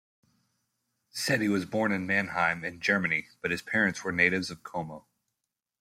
Cetti was born in Mannheim in Germany, but his parents were natives of Como.